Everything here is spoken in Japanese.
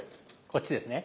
こっちですね？